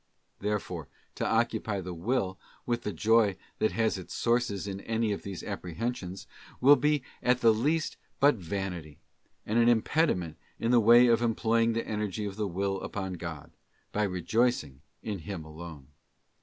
There fore to occupy the will with the joy that has its sources in any of these apprehensions, will be at the least but vanity, and an impediment in the way of employing the energy of the will upon God, by rejoicing in Him alone.